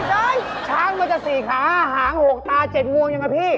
ไม่ได้ช้างมันจะ๔ขา๕หาง๖ตา๗งวงนะพี่